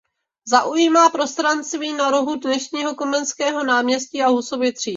Zaujímá prostranství na rohu dnešního Komenského náměstí a Husovy třídy.